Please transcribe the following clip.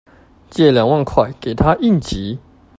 借兩萬塊給她應急